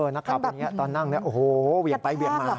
นักข่าวตอนนั่งโอ้โฮเวียงไปเวียงมา